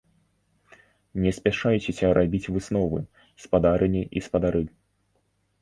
Не спяшайцеся рабіць высновы, спадарыні і спадары!